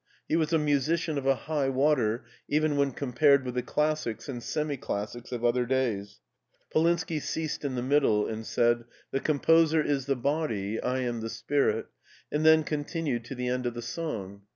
He was a musician of a high water, even when compared with the classics and semi classics of other days. Polinski ceased in the middle, and said, " The composer is the body, I am the spirit," and then continued to the end of the song.